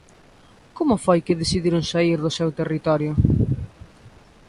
Como foi que decidiron saír do seu territorio?